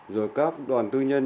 rồi các đoàn tư nhân